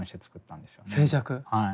はい。